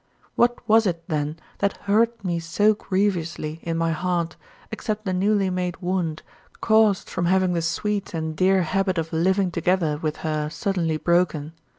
30. What was it, then, that hurt me so grievously in my heart except the newly made wound, caused from having the sweet and dear habit of living together with her suddenly broken?